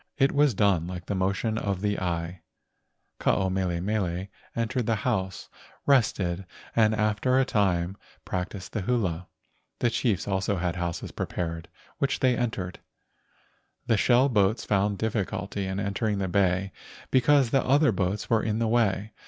It was done like the motion of the eye. Ke ao mele mele entered her house, rested, and after a time practised the hula. The chiefs also had houses prepared, which they entered. The shell boats found difficulty in entering the bay because the other boats were in the way.